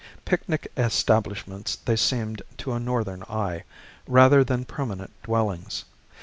Picnic establishments they seemed to a Northern eye, rather than permanent dwellings.